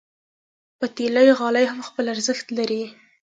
پتېلي غالۍ هم خپل ارزښت لري.